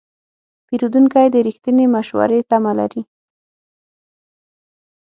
پیرودونکی د رښتینې مشورې تمه لري.